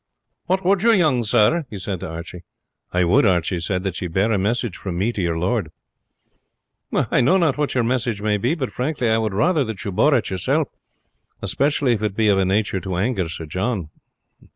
"What would you, young sir?" he said to Archie. "I would," Archie said, "that you bear a message from me to your lord." "I know not what your message may be; but frankly, I would rather that you bore it yourself, especially if it be of a nature to anger Sir John."